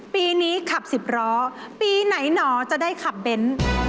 ปีนี้ขับ๑๐ล้อปีไหนหนอจะได้ขับเบ้น